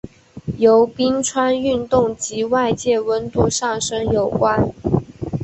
由冰川运动及外界温度上升有关。